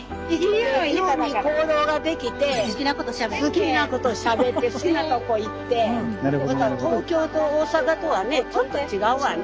好きなことしゃべって好きなとこ行ってまた東京と大阪とはねちょっと違うわね。